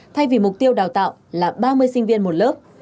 thay vì mục tiêu đào tạo là ba mươi sinh viên một lớp